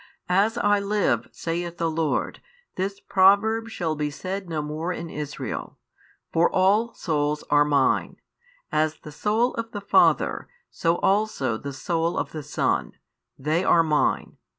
As I live, saith the Lord, this proverb shall be said no more in Israel. For all souls are mine; as the soul of the father, so also the soul of the son; they are mine.